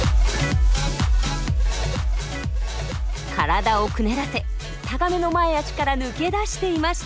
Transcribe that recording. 体をくねらせタガメの前足から抜け出していました。